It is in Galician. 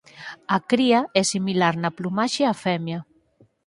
A cría é similar na plumaxe á femia.